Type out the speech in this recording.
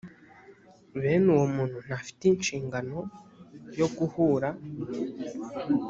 bene uwo muntu ntafite inshingano yo guhura